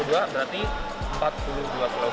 kalau penawarannya ya yang paling tinggi yang menempatkan ini